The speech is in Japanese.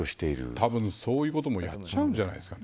たぶん、そういうこともやっちゃうんじゃないですかね。